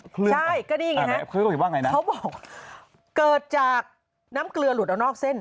ใช่ก็นี่ไงนะเขาบอกเกิดจากน้ำเกลือหลุดออกนอกเส้น